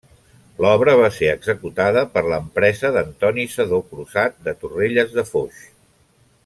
L'obra va ser executada per l'empresa d'Antoni Sedó Crusat, de Torrelles de Foix.